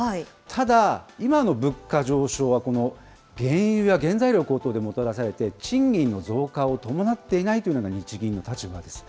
ただ、今の物価上昇は、この原油や原材料高騰でもたらされて、賃金の増加を伴っていないというのが、日銀の立場です。